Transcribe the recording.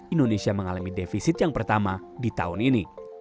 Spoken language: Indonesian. indonesia mengalami defisit yang pertama di tahun ini